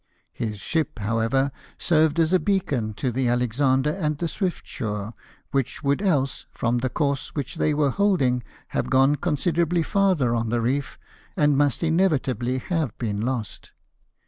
His ship, however, served as a beacon to the Alexander and Swiftsure, which would else, from the course which they were holding, have gone considerably farther on the reef, and must inevitably have been lost.